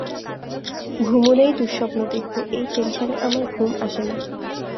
ঘুমুলেই দুঃস্বপ্ন দেখব-এই টেনশানে আমার ঘুম আসে না।